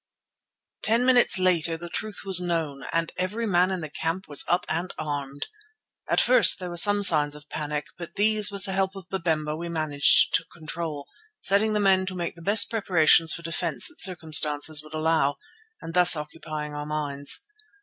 Ten minutes later the truth was known and every man in the camp was up and armed. At first there were some signs of panic, but these with the help of Babemba we managed to control, setting the men to make the best preparations for defence that circumstances would allow, and thus occupying their minds.